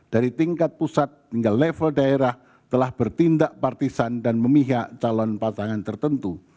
dari tingkat pusat hingga level daerah telah bertindak partisan dan memihak calon pasangan tertentu